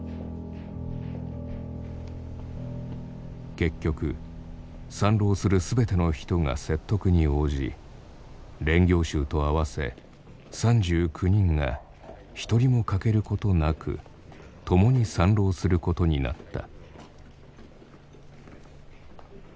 結局参籠する全ての人が説得に応じ練行衆と合わせ３９人が一人も欠けることなく共に参籠することになった。